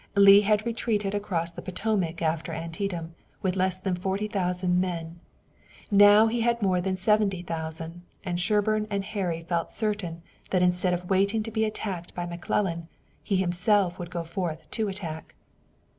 Lee had retreated across the Potomac after Antietam with less than forty thousand men. Now he had more than seventy thousand, and Sherburne and Harry felt certain that instead of waiting to be attacked by McClellan he himself would go forth to attack.